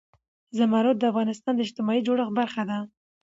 زمرد د افغانستان د اجتماعي جوړښت برخه ده.